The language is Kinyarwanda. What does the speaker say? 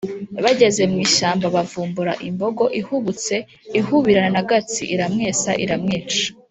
bageze mu ishyamba bavumbura imbogo; ihubutse ihubirana na Gatsi iramwesa iramwica.